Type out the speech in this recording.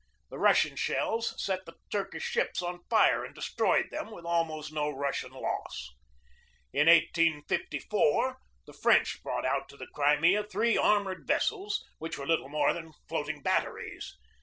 The Russian shells set the Turkish ships on fire and destroyed them with almost no Russian loss. THE MIDSHIPMAN CRUISE 33 In 1854 the French brought out to the Crimea three armored vessels which were little more than floating batteries.